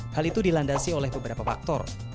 hal itu dilandasi oleh beberapa faktor